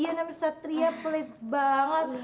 jadi dia nama satria pelit banget